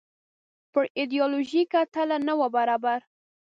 پر ایډیالوژیکه تله نه وو برابر.